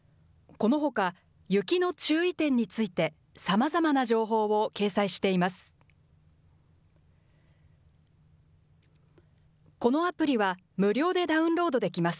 このほか、雪の注意点について、さまざまな情報を掲載しています。